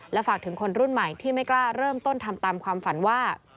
ฝากถึงคนรุ่นใหม่ที่ไม่กล้าเริ่มต้นทำตามความฝันว่า